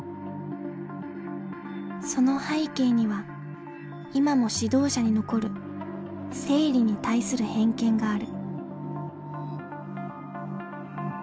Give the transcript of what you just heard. その背景には今も指導者に残る生理に対する偏見がある。